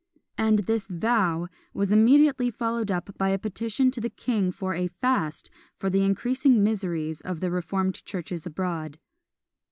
and this vow was immediately followed up by a petition to the king for a fast for the increasing miseries of the reformed churches abroad.